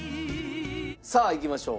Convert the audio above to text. さあいきましょう。